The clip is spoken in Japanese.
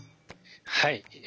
はい。